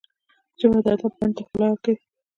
ژبه د ادب بڼ ته ښکلا ورکوي